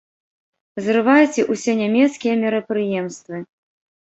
Зрывайце ўсе нямецкія мерапрыемствы!